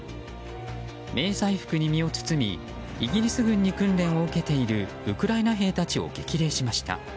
迷彩服に身を包みイギリス軍に訓練を受けているウクライナ兵たちを激励しました。